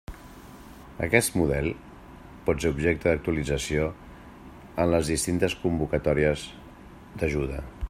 Aquest model pot ser objecte d'actualització en les distintes convocatòries d'ajuda.